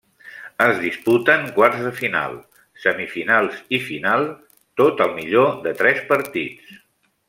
Es disputen quarts de final, semifinals i final, tot al millor de tres partits.